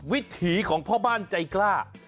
วิถีของพ่อบ้านใจกล้า